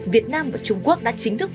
việt nam và trung quốc đã chính thức